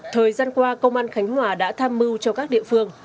thời gian qua công an khánh hòa đã tham mưu cho các địa phương